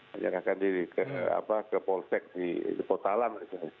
menyerahkan diri ke polsek di potalan